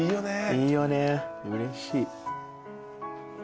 いいよねうれしい。